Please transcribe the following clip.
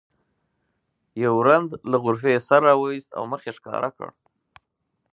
یو رند له غرفې سر راوویست او مخ یې ښکاره کړ.